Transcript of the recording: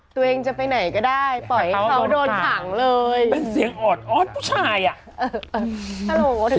ตัวเองจะไปไหนก็ได้ปล่อยให้เขาโดนขังเลยเป็นเสียงออดออดผู้ชายอ่ะ